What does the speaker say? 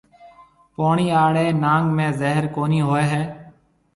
پوڻِي آݪي ناگ ۾ زهر ڪونِي هوئي هيَ۔